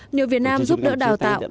nhiều việt nam giúp đỡ đào tạo